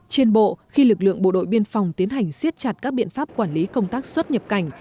trên bộ khi lực lượng bộ đội biên phòng tiến hành siết chặt các biện pháp quản lý công tác xuất nhập cảnh